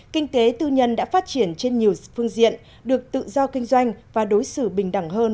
kinh tế tư nhân đã phát triển trên nhiều phương diện được tự do kinh doanh và đối xử bình đẳng hơn